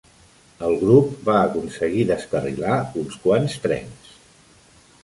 El grup va aconseguir descarrilar uns quants trens.